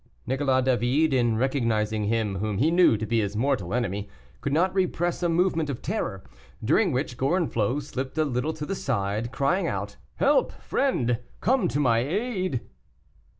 Nicolas David, in recognizing him whom he knew to be his mortal enemy, could not repress a movement of terror, during which Gorenflot slipped a little to the side, crying out, "Help, friend! come to my aid!"